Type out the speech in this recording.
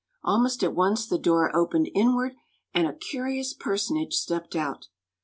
Almost at once the door opened inward, and a curious personage stepped out.